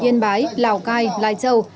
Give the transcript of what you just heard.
yên bái lào cai lai châu